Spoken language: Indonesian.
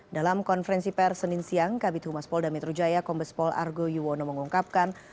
dalam konferensi persenin siang kabit humas pol damitrujaya kombes pol argo yuwono mengungkapkan